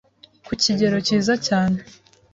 ku kigero cyiza cyane